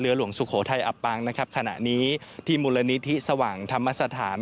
หลวงสุโขทัยอับปางนะครับขณะนี้ที่มูลนิธิสว่างธรรมสถาน